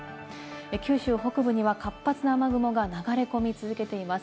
九州北部には活発な雨雲が流れ込み続けています。